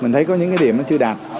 mình thấy có những cái điểm nó chưa đạt